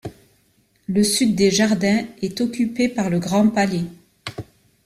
Le sud des jardins est occupé par le Grand Palais.